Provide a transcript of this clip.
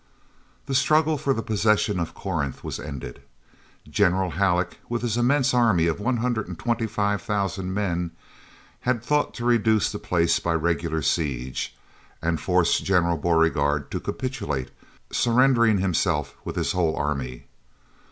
The struggle for the possession of Corinth was ended. General Halleck, with his immense army of one hundred and twenty five thousand men, had thought to reduce the place by regular siege, and force General Beauregard to capitulate, surrendering himself with his whole army.